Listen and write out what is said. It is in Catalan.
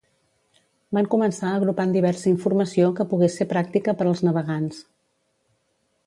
Van començar agrupant diversa informació que pogués ser pràctica per als navegants.